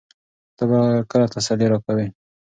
ته به کله تسلي راکوې؟